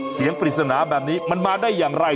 เสียงผิดสนาแบบนี้มันมาได้อย่างไร